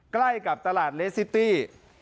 ใกล้กับตลาดเลสซิตี้